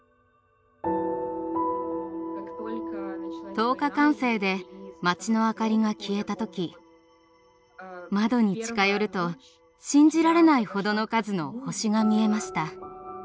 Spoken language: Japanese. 灯火管制で町の明かりが消えた時窓に近寄ると信じられないほどの数の星が見えました。